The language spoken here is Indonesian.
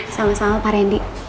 sama sama pak rendy